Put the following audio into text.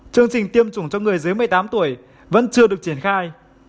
chương trình tiêm chủng cho người dưới một mươi tám tuổi vẫn chưa được triển khai